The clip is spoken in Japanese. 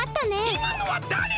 いまのはだれ？